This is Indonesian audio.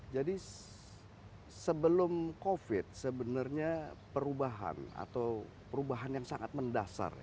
jadi sebelum covid sembilan belas sebenarnya perubahan atau perubahan yang sangat mendasar